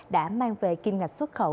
đã mang về kim ngạch xuất khẩu